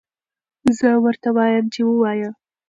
زه ورته وایم چې ووایه.